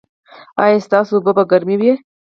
ایا ستاسو اوبه به ګرمې وي؟